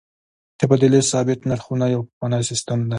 د تبادلې ثابت نرخ یو پخوانی سیستم دی.